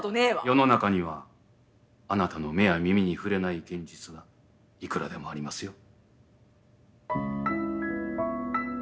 世の中にはあなたの目や耳に触れない現実がいくらでもありますよ